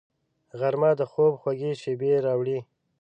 غرمه د خوب خوږې شېبې راوړي